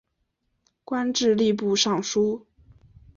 官至吏部尚书。